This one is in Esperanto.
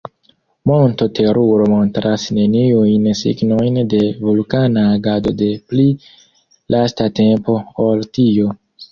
Monto Teruro montras neniujn signojn de vulkana agado de pli lasta tempo ol tio.